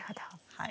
はい。